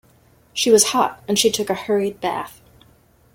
She was hot, and she took a hurried bath.